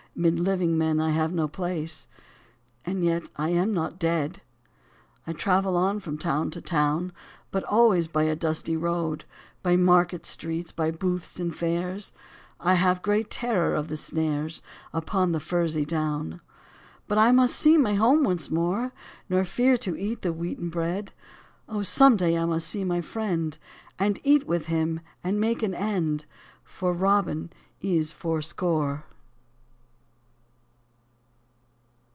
Mid living men I have no place, And yet I am not dead. 1 travel on from town to town. But always by a dusty road. By market streets, by booths and fairs ; I have great terror of the snares Upon the furzy down. But I must see my home once more. Nor fear to eat the wheaten bread. Oh, some day I must see my friend. And eat with him, and make an end, For Robin is fourscore.